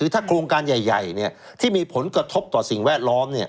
ถ้าโครงการใหญ่ที่มีผลกระทบต่อสิ่งแวดล้อม